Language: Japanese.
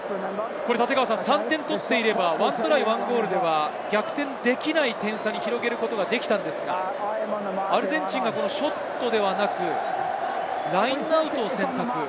３点取っていれば、１トライ、１ゴールでは逆転できない点差に広げることができたのですがアルゼンチンがショットではなく、ラインアウトを選択。